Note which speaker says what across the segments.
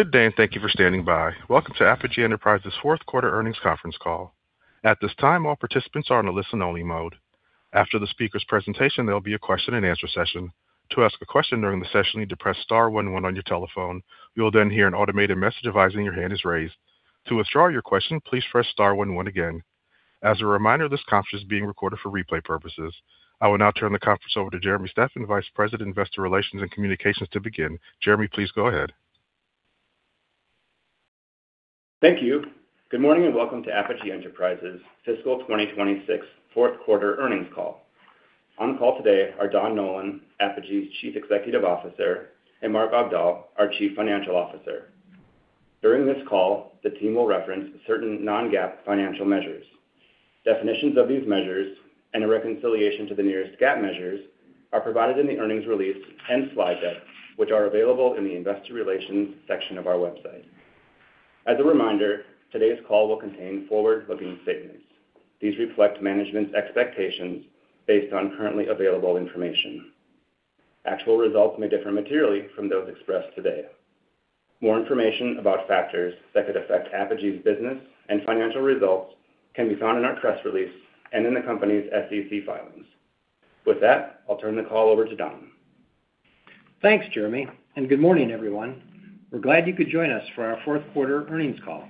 Speaker 1: Good day, and thank you for standing by. Welcome to Apogee Enterprises' fourth quarter earnings conference call. At this time, all participants are in a listen-only mode. After the speaker's presentation, there'll be a question-and-answer session. To ask a question during the session, you need to press star one one on your telephone. You'll then hear an automated message advising your hand is raised. To withdraw your question, please press star one one again. As a reminder, this conference is being recorded for replay purposes. I will now turn the conference over to Jeremy Steffan, Vice President, Investor Relations and Communications to begin. Jeremy, please go ahead.
Speaker 2: Thank you. Good morning, and welcome to Apogee Enterprises' fiscal 2026 fourth quarter earnings call. On the call today are Don Nolan, Apogee's Chief Executive Officer, and Mark Augdahl, our Chief Financial Officer. During this call, the team will reference certain non-GAAP financial measures. Definitions of these measures and a reconciliation to the nearest GAAP measures are provided in the earnings release and slide deck, which are available in the investor relations section of our website. As a reminder, today's call will contain forward-looking statements. These reflect management's expectations based on currently available information. Actual results may differ materially from those expressed today. More information about factors that could affect Apogee's business and financial results can be found in our press release and in the company's SEC filings. With that, I'll turn the call over to Don.
Speaker 3: Thanks, Jeremy, and good morning, everyone. We're glad you could join us for our fourth quarter earnings call.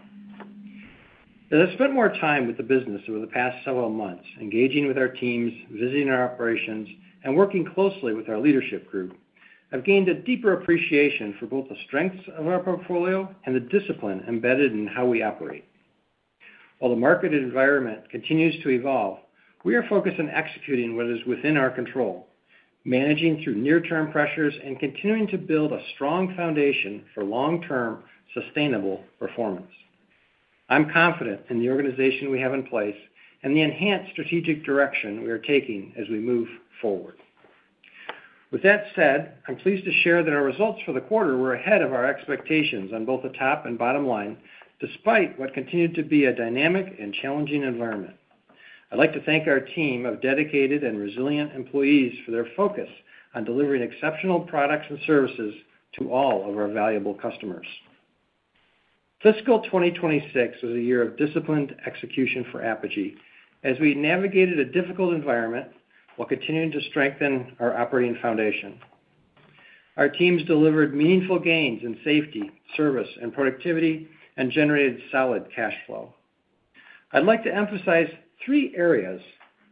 Speaker 3: As I've spent more time with the business over the past several months, engaging with our teams, visiting our operations, and working closely with our leadership group, I've gained a deeper appreciation for both the strengths of our portfolio and the discipline embedded in how we operate. While the market environment continues to evolve, we are focused on executing what is within our control, managing through near-term pressures, and continuing to build a strong foundation for long-term sustainable performance. I'm confident in the organization we have in place and the enhanced strategic direction we are taking as we move forward. With that said, I'm pleased to share that our results for the quarter were ahead of our expectations on both the top and bottom line, despite what continued to be a dynamic and challenging environment. I'd like to thank our team of dedicated and resilient employees for their focus on delivering exceptional products and services to all of our valuable customers. Fiscal 2026 was a year of disciplined execution for Apogee as we navigated a difficult environment while continuing to strengthen our operating foundation. Our teams delivered meaningful gains in safety, service, and productivity and generated solid cash flow. I'd like to emphasize three areas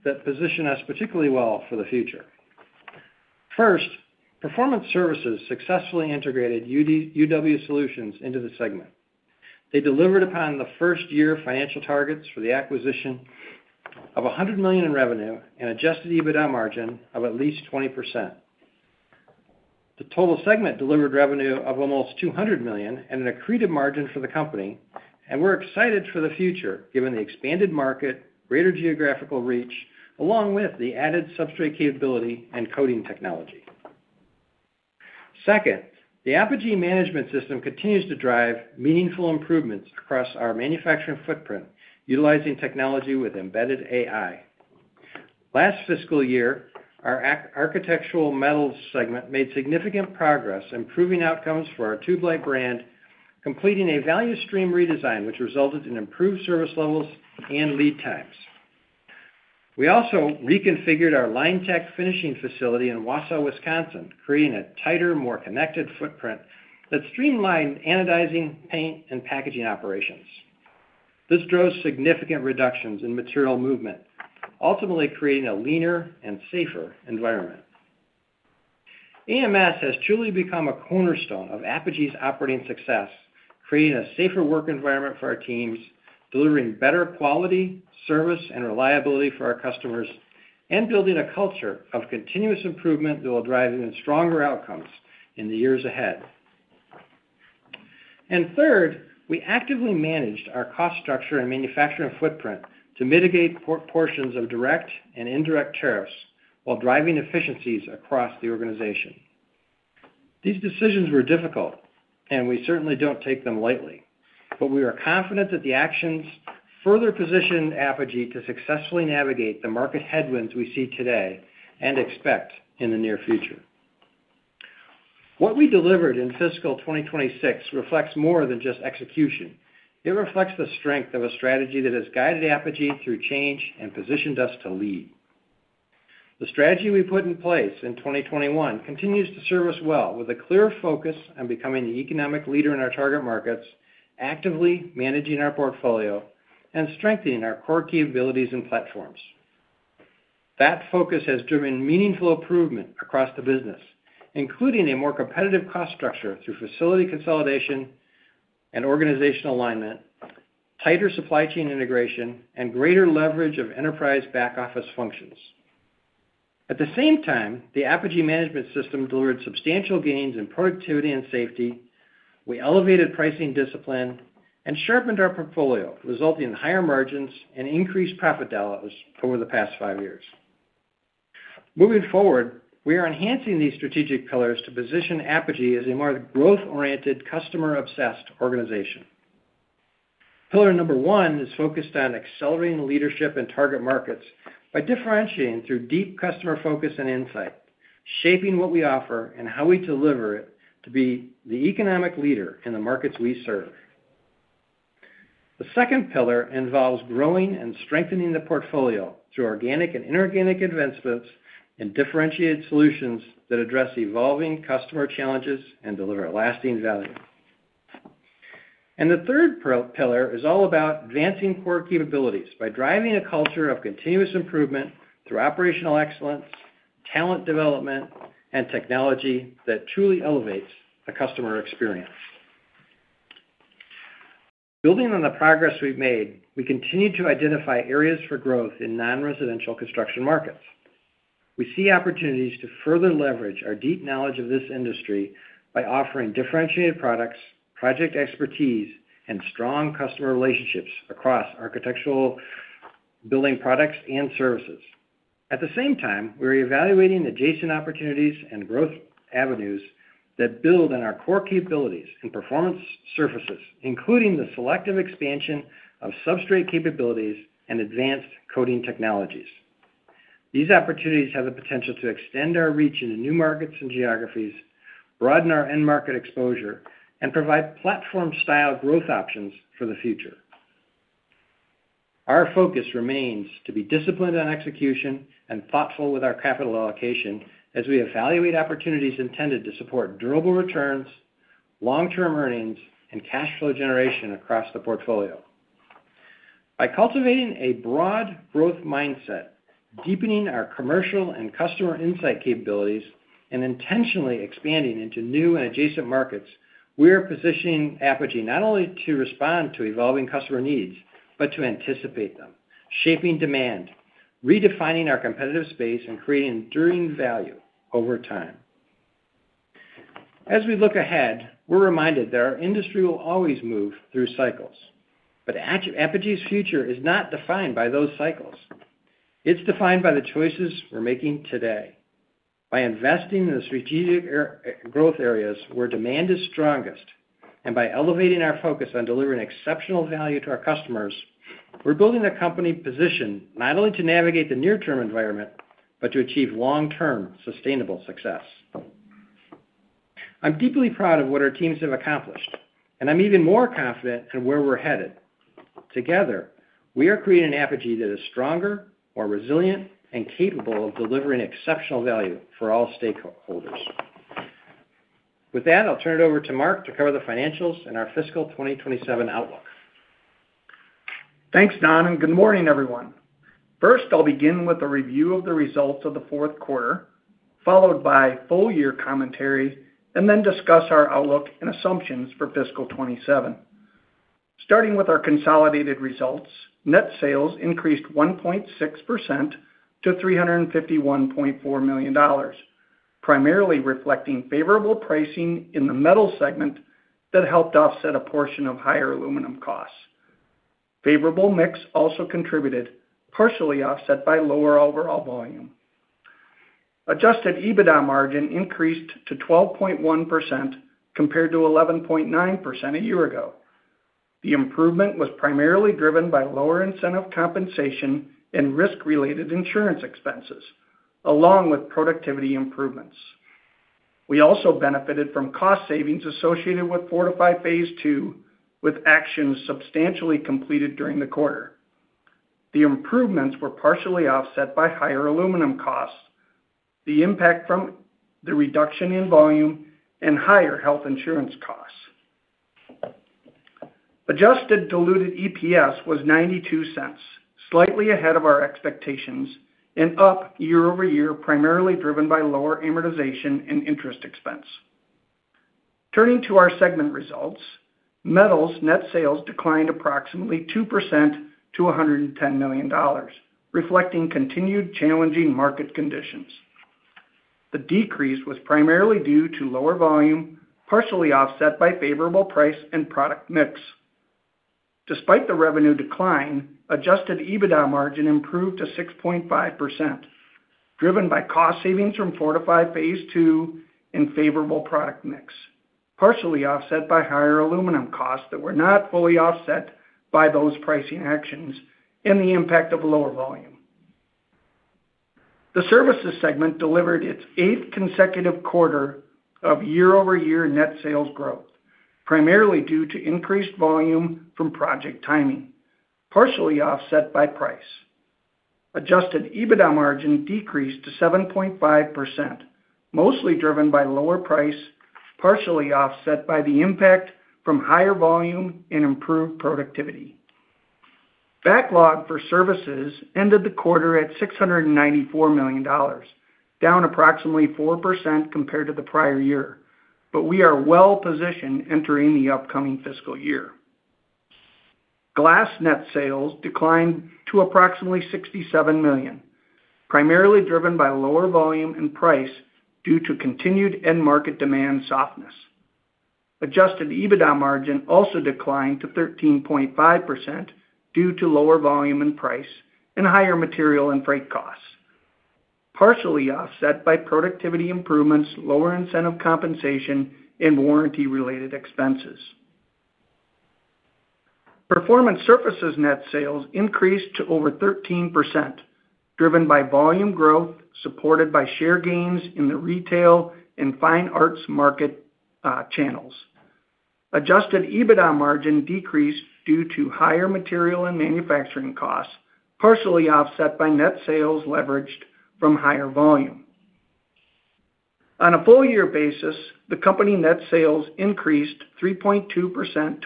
Speaker 3: that position us particularly well for the future. First, Performance Surfaces successfully integrated UW Solutions into the segment. They delivered upon the first year of financial targets for the acquisition of $100 million in revenue and Adjusted EBITDA margin of at least 20%. The total segment delivered revenue of almost $200 million and an accretive margin for the company, and we're excited for the future given the expanded market, greater geographical reach, along with the added substrate capability and coating technology. Second, the Apogee Management System continues to drive meaningful improvements across our manufacturing footprint utilizing technology with embedded AI. Last fiscal year, our architectural metals segment made significant progress improving outcomes for our Tubelite brand, completing a value stream redesign, which resulted in improved service levels and lead times. We also reconfigured our Linetec finishing facility in Wausau, Wisconsin, creating a tighter, more connected footprint that streamlined anodizing, paint, and packaging operations. This drove significant reductions in material movement, ultimately creating a leaner and safer environment. AMS has truly become a cornerstone of Apogee's operating success, creating a safer work environment for our teams, delivering better quality, service, and reliability for our customers, and building a culture of continuous improvement that will drive even stronger outcomes in the years ahead. Third, we actively managed our cost structure and manufacturing footprint to mitigate portions of direct and indirect tariffs while driving efficiencies across the organization. These decisions were difficult, and we certainly don't take them lightly, but we are confident that the actions further position Apogee to successfully navigate the market headwinds we see today and expect in the near future. What we delivered in fiscal 2026 reflects more than just execution. It reflects the strength of a strategy that has guided Apogee through change and positioned us to lead. The strategy we put in place in 2021 continues to serve us well with a clear focus on becoming the economic leader in our target markets, actively managing our portfolio, and strengthening our core capabilities and platforms. That focus has driven meaningful improvement across the business, including a more competitive cost structure through facility consolidation and organizational alignment, tighter supply chain integration, and greater leverage of enterprise back-office functions. At the same time, the Apogee Management System delivered substantial gains in productivity and safety. We elevated pricing discipline and sharpened our portfolio, resulting in higher margins and increased profit dollars over the past five years. Moving forward, we are enhancing these strategic pillars to position Apogee as a more growth-oriented, customer-obsessed organization. Pillar number one is focused on accelerating leadership in target markets by differentiating through deep customer focus and insight, shaping what we offer and how we deliver it to be the economic leader in the markets we serve. The second pillar involves growing and strengthening the portfolio through organic and inorganic investments and differentiated solutions that address evolving customer challenges and deliver lasting value. The third pillar is all about advancing core capabilities by driving a culture of continuous improvement through operational excellence, talent development, and technology that truly elevates the customer experience. Building on the progress we've made, we continue to identify areas for growth in nonresidential construction markets. We see opportunities to further leverage our deep knowledge of this industry by offering differentiated products, project expertise, and strong customer relationships across architectural building products and services. At the same time, we are evaluating adjacent opportunities and growth avenues that build on our core capabilities in Performance Surfaces, including the selective expansion of substrate capabilities and advanced coating technologies. These opportunities have the potential to extend our reach into new markets and geographies, broaden our end market exposure, and provide platform-style growth options for the future. Our focus remains to be disciplined on execution and thoughtful with our capital allocation as we evaluate opportunities intended to support durable returns, long-term earnings, and cash flow generation across the portfolio. By cultivating a broad growth mindset, deepening our commercial and customer insight capabilities, and intentionally expanding into new and adjacent markets, we are positioning Apogee not only to respond to evolving customer needs but to anticipate them, shaping demand, redefining our competitive space, and creating enduring value over time. As we look ahead, we're reminded that our industry will always move through cycles. Apogee's future is not defined by those cycles. It's defined by the choices we're making today. By investing in the strategic growth areas where demand is strongest, and by elevating our focus on delivering exceptional value to our customers, we're building a company positioned not only to navigate the near-term environment but to achieve long-term sustainable success. I'm deeply proud of what our teams have accomplished, and I'm even more confident in where we're headed. Together, we are creating an Apogee that is stronger, more resilient, and capable of delivering exceptional value for all stakeholders. With that, I'll turn it over to Mark to cover the financials and our fiscal 2027 outlook.
Speaker 4: Thanks, Don, and good morning, everyone. First, I'll begin with a review of the results of the fourth quarter, followed by full-year commentary, and then discuss our outlook and assumptions for fiscal 2027. Starting with our consolidated results, net sales increased 1.6% to $351.4 million, primarily reflecting favorable pricing in the metal segment that helped offset a portion of higher aluminum costs. Favorable mix also contributed, partially offset by lower overall volume. Adjusted EBITDA margin increased to 12.1% compared to 11.9% a year ago. The improvement was primarily driven by lower incentive compensation and risk-related insurance expenses, along with productivity improvements. We also benefited from cost savings associated with Fortify Phase 2, with actions substantially completed during the quarter. The improvements were partially offset by higher aluminum costs, the impact from the reduction in volume, and higher health insurance costs. Adjusted diluted EPS was $0.92, slightly ahead of our expectations and up year-over-year, primarily driven by lower amortization and interest expense. Turning to our segment results, metals net sales declined approximately 2% to $110 million, reflecting continued challenging market conditions. The decrease was primarily due to lower volume, partially offset by favorable price and product mix. Despite the revenue decline, adjusted EBITDA margin improved to 6.5%, driven by cost savings from Fortify Phase 2 and favorable product mix, partially offset by higher aluminum costs that were not fully offset by those pricing actions and the impact of lower volume. The services segment delivered its eighth consecutive quarter of year-over-year net sales growth, primarily due to increased volume from project timing, partially offset by price. Adjusted EBITDA margin decreased to 7.5%, mostly driven by lower price, partially offset by the impact from higher volume and improved productivity. Backlog for services ended the quarter at $694 million, down approximately 4% compared to the prior year, but we are well positioned entering the upcoming fiscal year. Glass net sales declined to approximately $67 million, primarily driven by lower volume and price due to continued end market demand softness. Adjusted EBITDA margin also declined to 13.5% due to lower volume and price and higher material and freight costs, partially offset by productivity improvements, lower incentive compensation, and warranty-related expenses. Performance Surfaces net sales increased to over 13%, driven by volume growth, supported by share gains in the retail and fine arts market channels. Adjusted EBITDA margin decreased due to higher material and manufacturing costs, partially offset by net sales leveraged from higher volume. On a full year basis, the company's net sales increased 3.2% to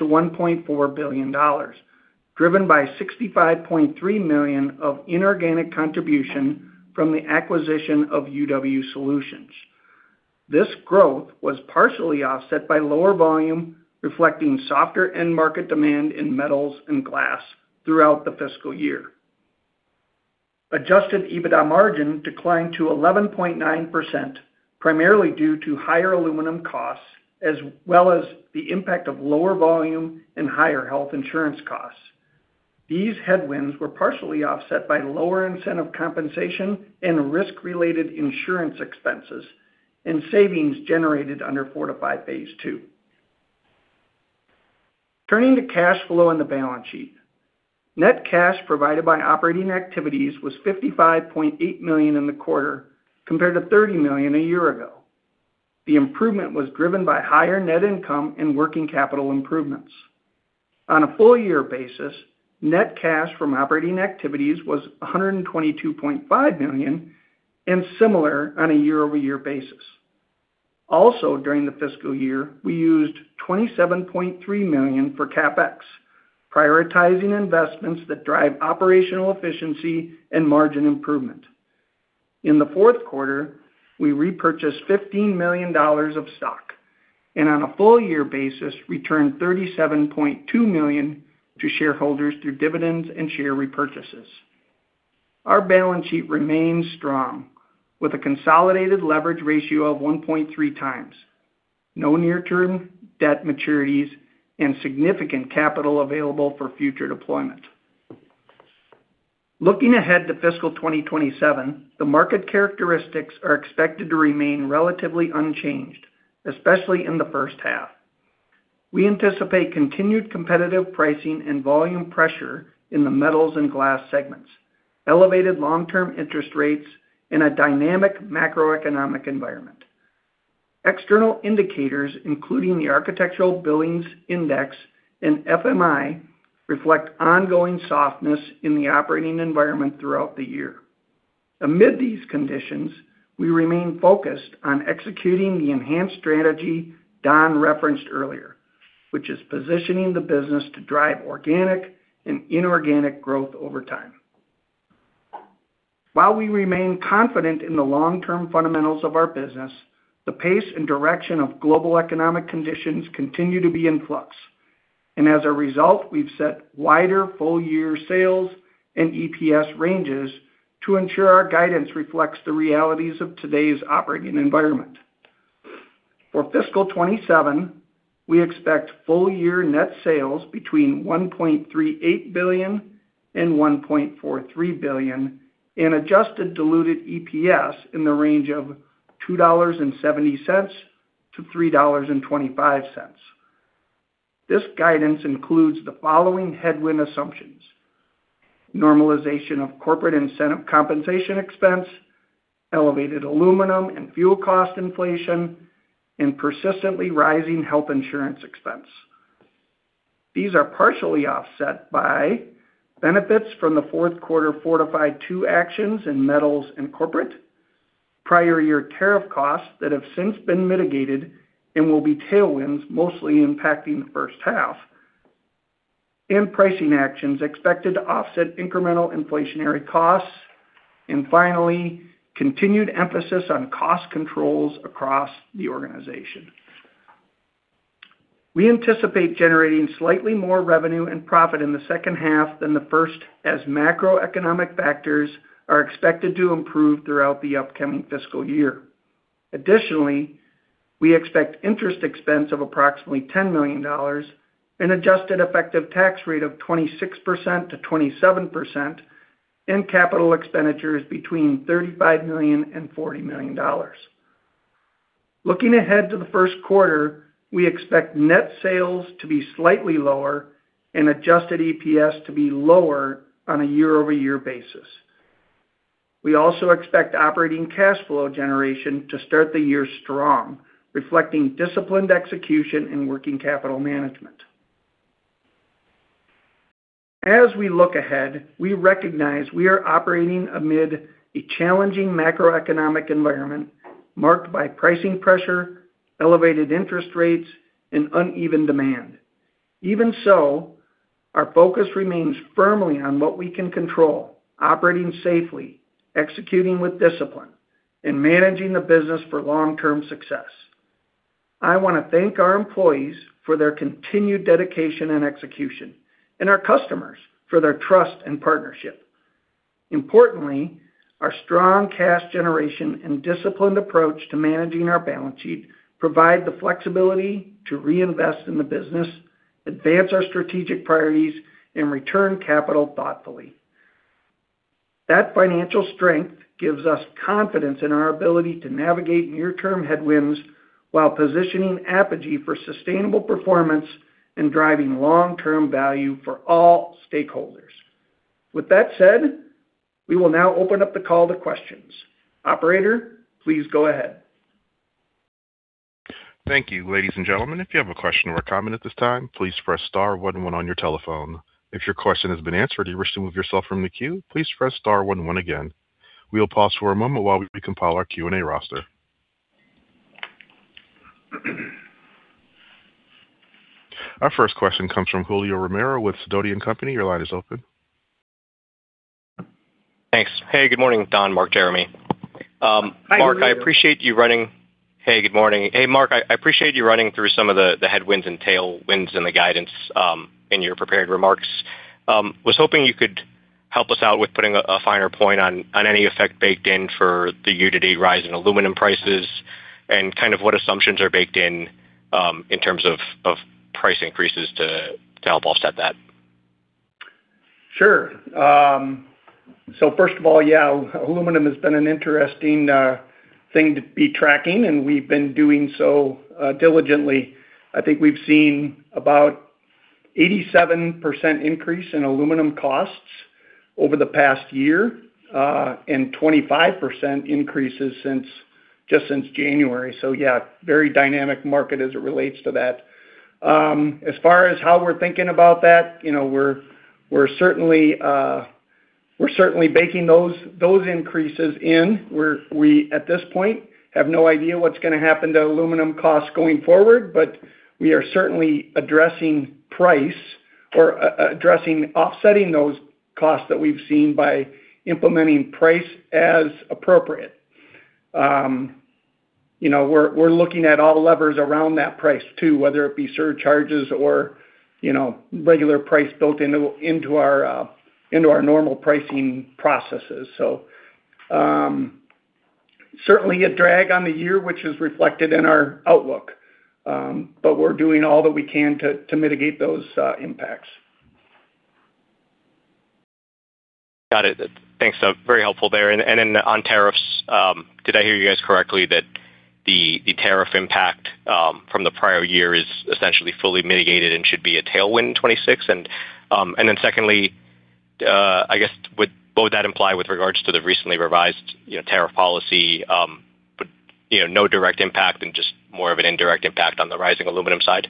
Speaker 4: $1.4 billion, driven by $65.3 million of inorganic contribution from the acquisition of UW Solutions. This growth was partially offset by lower volume, reflecting softer end market demand in metals and glass throughout the fiscal year. Adjusted EBITDA margin declined to 11.9%, primarily due to higher aluminum costs, as well as the impact of lower volume and higher health insurance costs. These headwinds were partially offset by lower incentive compensation and risk-related insurance expenses, and savings generated under Project Fortify Phase 2. Turning to cash flow on the balance sheet. Net cash provided by operating activities was $55.8 million in the quarter, compared to $30 million a year ago. The improvement was driven by higher net income and working capital improvements. On a full year basis, net cash from operating activities was $122.5 million and similar on a year-over-year basis. Also, during the fiscal year, we used $27.3 million for CapEx, prioritizing investments that drive operational efficiency and margin improvement. In the fourth quarter, we repurchased $15 million of stock, and on a full year basis, returned $37.2 million to shareholders through dividends and share repurchases. Our balance sheet remains strong, with a consolidated leverage ratio of 1.3x, no near-term debt maturities, and significant capital available for future deployment. Looking ahead to fiscal 2027, the market characteristics are expected to remain relatively unchanged, especially in the first half. We anticipate continued competitive pricing and volume pressure in the metals and glass segments, elevated long-term interest rates, and a dynamic macroeconomic environment. External indicators, including the Architecture Billings Index and FMI, reflect ongoing softness in the operating environment throughout the year. Amid these conditions, we remain focused on executing the enhanced strategy Don referenced earlier, which is positioning the business to drive organic and inorganic growth over time. While we remain confident in the long-term fundamentals of our business, the pace and direction of global economic conditions continue to be in flux. As a result, we've set wider full year sales and EPS ranges to ensure our guidance reflects the realities of today's operating environment. For fiscal 2027, we expect full year net sales between $1.38 billion-$1.43 billion, and Adjusted diluted EPS in the range of $2.70-$3.25. This guidance includes the following headwind assumptions, normalization of corporate incentive compensation expense, elevated aluminum and fuel cost inflation, and persistently rising health insurance expense. These are partially offset by benefits from the fourth quarter Fortify 2 actions in metals and corporate, prior year tariff costs that have since been mitigated and will be tailwinds mostly impacting the first half, and pricing actions expected to offset incremental inflationary costs, and finally, continued emphasis on cost controls across the organization. We anticipate generating slightly more revenue and profit in the second half than the first, as macroeconomic factors are expected to improve throughout the upcoming fiscal year. Additionally, we expect interest expense of approximately $10 million, an adjusted effective tax rate of 26%-27%, and capital expenditures between $35 million and $40 million. Looking ahead to the first quarter, we expect net sales to be slightly lower and adjusted EPS to be lower on a year-over-year basis. We also expect operating cash flow generation to start the year strong, reflecting disciplined execution and working capital management. As we look ahead, we recognize we are operating amid a challenging macroeconomic environment marked by pricing pressure, elevated interest rates, and uneven demand. Even so, our focus remains firmly on what we can control, operating safely, executing with discipline, and managing the business for long-term success. I want to thank our employees for their continued dedication and execution, and our customers for their trust and partnership. Importantly, our strong cash generation and disciplined approach to managing our balance sheet provide the flexibility to reinvest in the business, advance our strategic priorities, and return capital thoughtfully. That financial strength gives us confidence in our ability to navigate near-term headwinds while positioning Apogee for sustainable performance and driving long-term value for all stakeholders. With that said, we will now open up the call to questions. Operator, please go ahead.
Speaker 1: Thank you. Ladies and gentlemen, if you have a question or a comment at this time, please press star one one on your telephone. If your question has been answered and you wish to remove yourself from the queue, please press star one one again. We will pause for a moment while we compile our Q&A roster. Our first question comes from Julio Romero with Sidoti & Company. Your line is open.
Speaker 5: Thanks. Hey, good morning, Don, Mark, Jeremy.
Speaker 4: Hi, Julio.
Speaker 5: Hey, good morning. Hey, Mark, I appreciate you running through some of the headwinds and tailwinds in the guidance in your prepared remarks. Was hoping you could help us out with putting a finer point on any effect baked in for the year-to-date rise in aluminum prices and kind of what assumptions are baked in terms of price increases to help offset that.
Speaker 4: Sure. First of all, yeah, aluminum has been an interesting thing to be tracking, and we've been doing so diligently. I think we've seen about 87% increase in aluminum costs over the past year, and 25% increases just since January. Yeah, very dynamic market as it relates to that. As far as how we're thinking about that, we're certainly baking those increases in where we, at this point, have no idea what's going to happen to aluminum costs going forward. We are certainly addressing pricing or offsetting those costs that we've seen by implementing pricing as appropriate. We're looking at all levers around that pricing too, whether it be surcharges or regular pricing built into our normal pricing processes. Certainly a drag on the year, which is reflected in our outlook. We're doing all that we can to mitigate those impacts.
Speaker 5: Got it. Thanks. Very helpful there. On tariffs, did I hear you guys correctly that the tariff impact from the prior year is essentially fully mitigated and should be a tailwind in 2026? Secondly, I guess, would both that imply with regards to the recently revised tariff policy, no direct impact and just more of an indirect impact on the rising aluminum side?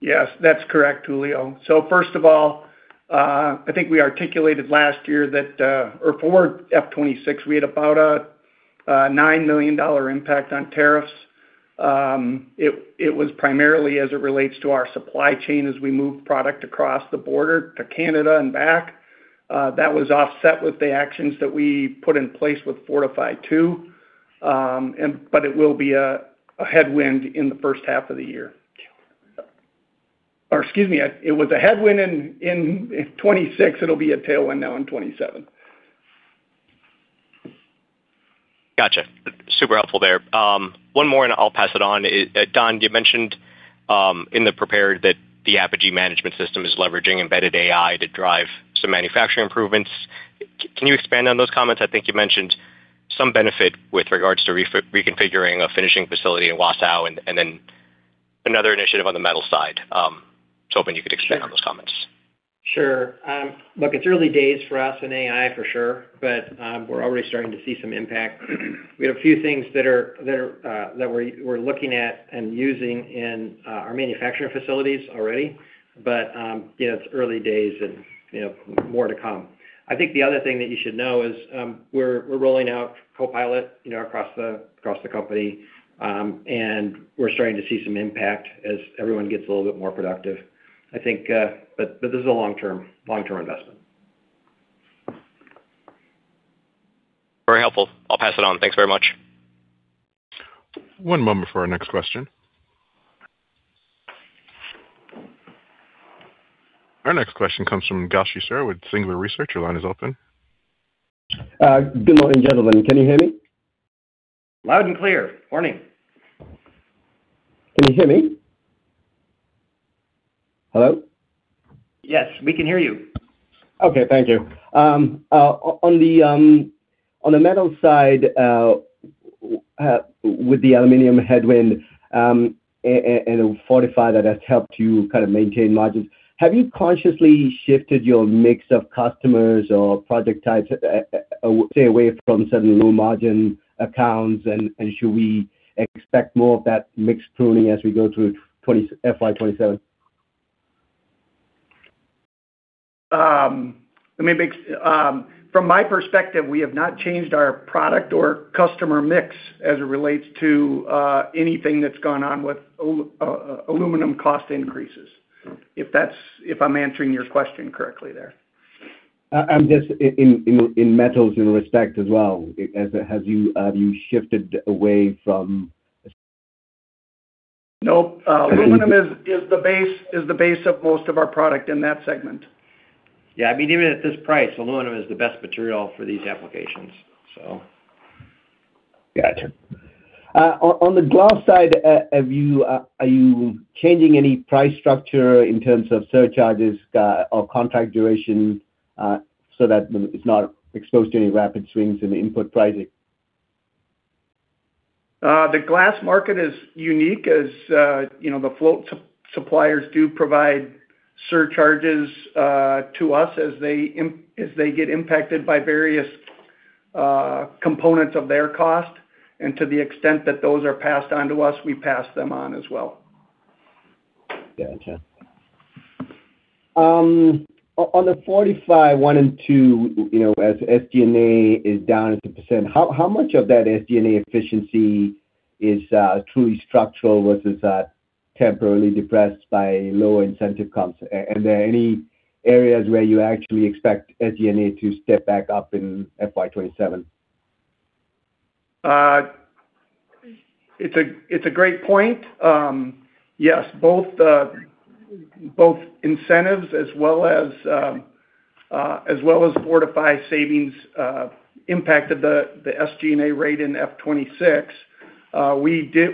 Speaker 4: Yes, that's correct, Julio. First of all, I think we articulated last year that for FY 2026, we had about a $9 million impact on tariffs. It was primarily as it relates to our supply chain as we move product across the border to Canada and back. That was offset with the actions that we put in place with Fortify too. But it will be a headwind in the first half of the year. Excuse me, it was a headwind in 2026. It'll be a tailwind now in 2027.
Speaker 5: Got you. Super helpful there. One more, and I'll pass it on. Don, you mentioned in the prepared that the Apogee Management System is leveraging embedded AI to drive some manufacturing improvements. Can you expand on those comments? I think you mentioned some benefit with regards to reconfiguring a finishing facility in Wausau and then another initiative on the metal side. Just hoping you could expand on those comments.
Speaker 3: Sure. Look, it's early days for us in AI for sure, but we're already starting to see some impact. We have a few things that we're looking at and using in our manufacturing facilities already. It's early days and more to come. I think the other thing that you should know is we're rolling out Copilot across the company, and we're starting to see some impact as everyone gets a little bit more productive. This is a long-term investment.
Speaker 5: Very helpful. I'll pass it on. Thanks very much.
Speaker 1: One moment for our next question. Our next question comes from Gowshihan with Singular Research. Your line is open.
Speaker 6: Good morning, gentlemen. Can you hear me?
Speaker 4: Loud and clear. Morning.
Speaker 6: Can you hear me? Hello?
Speaker 4: Yes, we can hear you.
Speaker 6: Okay, thank you. On the metals side, with the aluminum headwind, and Fortify that has helped you kind of maintain margins, have you consciously shifted your mix of customers or project types to stay away from certain low-margin accounts, and should we expect more of that mix pruning as we go through FY 2027?
Speaker 4: From my perspective, we have not changed our product or customer mix as it relates to anything that's gone on with aluminum cost increases. If I'm answering your question correctly there.
Speaker 6: Just in metals in respect as well, have you shifted away from...
Speaker 4: Nope. Aluminum is the base of most of our product in that segment.
Speaker 3: Yeah, even at this price, aluminum is the best material for these applications, so.
Speaker 6: Gotcha. On the glass side, are you changing any price structure in terms of surcharges or contract duration so that it's not exposed to any rapid swings in the input pricing?
Speaker 4: The glass market is unique as the float suppliers do provide surcharges to us as they get impacted by various components of their cost, and to the extent that those are passed on to us, we pass them on as well.
Speaker 6: Gotcha. On the Fortify 1 and 2, as SG&A is down as a percent, how much of that SG&A efficiency is truly structural versus temporarily depressed by lower incentive comps? Are there any areas where you actually expect SG&A to step back up in FY 2027?
Speaker 4: It's a great point. Yes, both incentives as well as Fortify savings impacted the SG&A rate in FY 2026.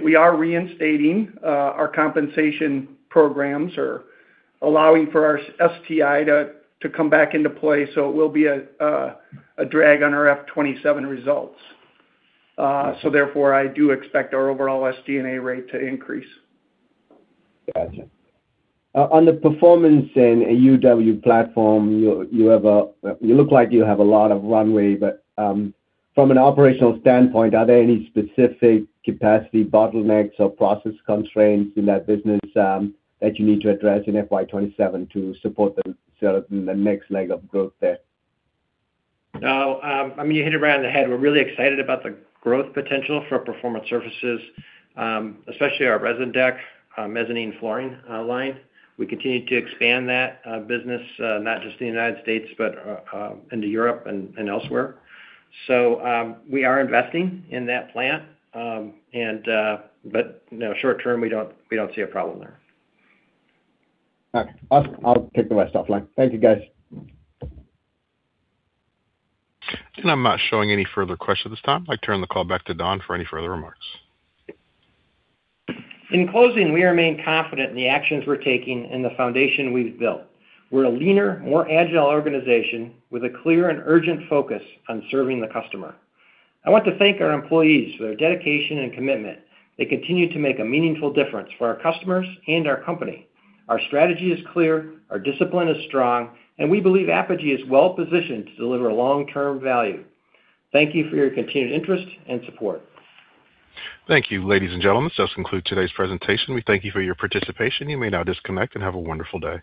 Speaker 4: We are reinstating our compensation programs or allowing for our STI to come back into play, so it will be a drag on our FY 2027 results. Therefore, I do expect our overall SG&A rate to increase.
Speaker 6: Gotcha. On the performance in UW platform, you look like you have a lot of runway, but from an operational standpoint, are there any specific capacity bottlenecks or process constraints in that business that you need to address in FY 2027 to support the next leg of growth there?
Speaker 3: I mean, you hit it right on the head. We're really excited about the growth potential for Performance Surfaces, especially our ResinDek mezzanine flooring line. We continue to expand that business, not just in the United States but into Europe and elsewhere. We are investing in that plan. Short-term, we don't see a problem there.
Speaker 6: Okay. I'll take the rest offline. Thank you, guys.
Speaker 1: I'm not showing any further questions at this time. I turn the call back to Don for any further remarks.
Speaker 3: In closing, we remain confident in the actions we're taking and the foundation we've built. We're a leaner, more agile organization with a clear and urgent focus on serving the customer. I want to thank our employees for their dedication and commitment. They continue to make a meaningful difference for our customers and our company. Our strategy is clear, our discipline is strong, and we believe Apogee is well-positioned to deliver long-term value. Thank you for your continued interest and support.
Speaker 1: Thank you, ladies and gentlemen. This does conclude today's presentation. We thank you for your participation. You may now disconnect and have a wonderful day.